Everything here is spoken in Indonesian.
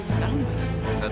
sekarang tuh mana